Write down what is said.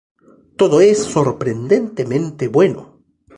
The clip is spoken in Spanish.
Todo es sorprendentemente bueno.